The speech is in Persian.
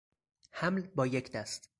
حمل با یک دست